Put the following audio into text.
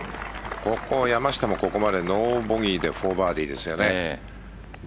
ここ山下もここまでノーボギーで４バーディーですよね。